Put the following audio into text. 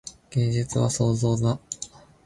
芸術は創造だ。